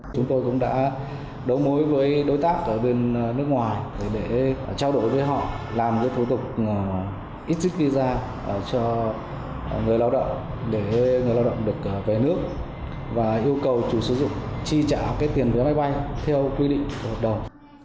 chúng tôi cũng đã đấu mối với đối tác ở bên nước ngoài để trao đổi với họ làm những thủ tục xích visa cho người lao động để người lao động được về nước và yêu cầu chủ sử dụng chi trả tiền với máy bay theo quy định đầu